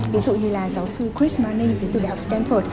ví dụ như là giáo sư chris moni đến từ đại học stanford